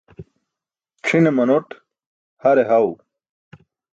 C̣ʰine manoṭ, hare haw.